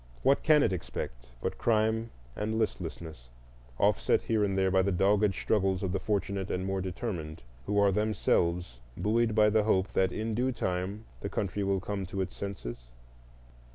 What can it expect but crime and listlessness, offset here and there by the dogged struggles of the fortunate and more determined who are themselves buoyed by the hope that in due time the country will come to its senses?